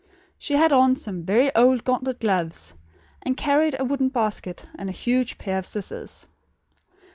She had on some very old gauntlet gloves, and carried a wooden basket and a huge pair of scissors.